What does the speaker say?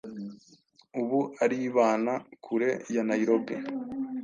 ubu aribana kure ya nairobi,